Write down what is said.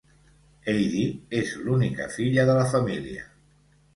Heidi és l'única filla de la família.